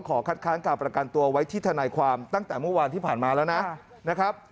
คัดค้างการประกันตัวไว้ที่ทนายความตั้งแต่เมื่อวานที่ผ่านมาแล้วนะครับ